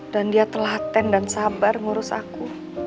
dan dia telaten dan sabar ngurus aku